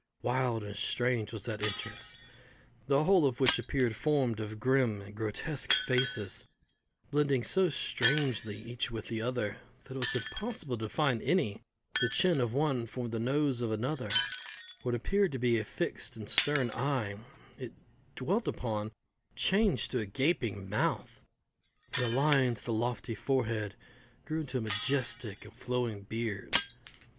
Wild and strange was that entrance, the whole of which appeared formed of grim and grotesque faces, blending so strangely each with the other that it was impossible to define any: the chin of one formed the nose of another; what appeared to be a fixed and stern eye, if dwelt upon, changed to a gaping mouth; and the lines of the lofty forehead grew into a majestic and flowing beard.